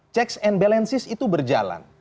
checks and balances itu berjalan